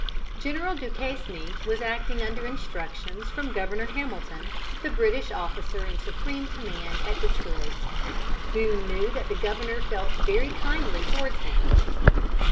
General Duquesne was acting under instructions from Governor Hamilton, the British officer in supreme command at Detroit. Boone knew that the Governor felt very kindly towards him.